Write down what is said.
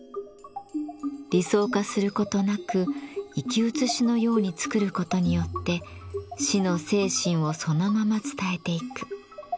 理想化することなく生き写しのようにつくることによって師の精神をそのまま伝えていく。